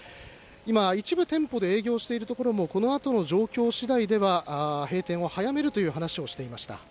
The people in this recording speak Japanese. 今、一部店舗で営業している所も、このあとの状況しだいでは閉店を早めるという話をしていました。